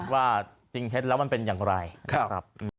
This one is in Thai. ว่าจริงเท็จแล้วมันเป็นอย่างไรนะครับ